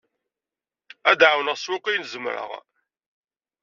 Ad d-ɛawneɣ s wakk ayen zemreɣ.